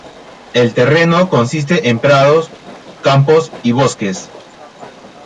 El terreno consiste en prados, campos y bosques.